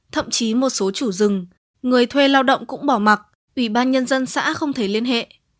thậm chí một số chủ rừng người thuê lao động cũng bỏ mặt ubnd xã không thể liên hệ